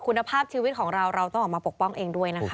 คุณภาพชีวิตของเราเราต้องออกมาปกป้องเองด้วยนะคะ